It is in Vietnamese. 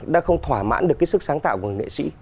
đã không thỏa mãn được cái sức sáng tạo của nghệ sĩ